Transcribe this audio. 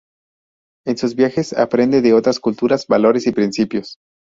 En sus viajes aprende de otras culturas, valores y principios.